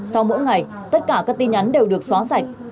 sau mỗi ngày tất cả các tin nhắn đều được xóa sạch